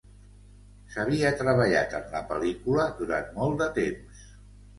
S'havia treballat en la pel·lícula durant molt de temps.